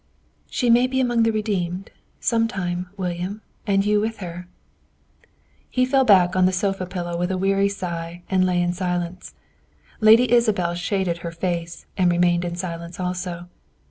"She may be among the redeemed, some time, William, and you with her." He fell back on the sofa pillow with a weary sigh, and lay in silence. Lady Isabel shaded her face, and remained in silence also.